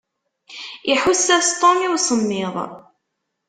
Iḥuss-as Tom i usemmiḍ.